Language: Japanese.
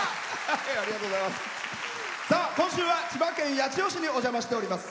今週は千葉県八千代市にお邪魔しております。